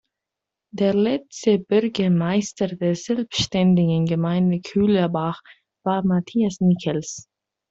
Der letzte Bürgermeister der selbständigen Gemeinde Köllerbach war Matthias Nickels.